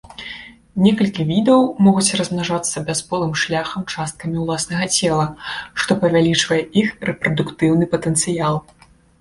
Некалькі відаў могуць размнажацца бясполым шляхам часткамі ўласнага цела, што павялічвае іх рэпрадуктыўны патэнцыял.